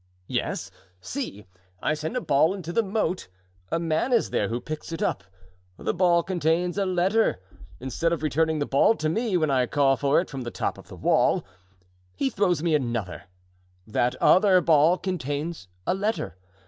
"Yes; see, I send a ball into the moat; a man is there who picks it up; the ball contains a letter. Instead of returning the ball to me when I call for it from the top of the wall, he throws me another; that other ball contains a letter.